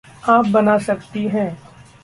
आप बना सकतीं हैं।